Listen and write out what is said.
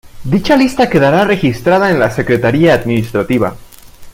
Dicha lista quedará registrada en la Secretaría Administrativa.